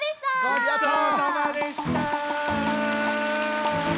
ごちそうさまでした！